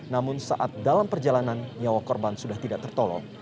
namun saat dalam perjalanan nyawa korban sudah tidak tertolong